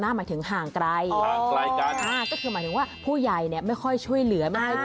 โอ้เม่าโอ้เม่าเม่าแจ่แม่เจ้าไม่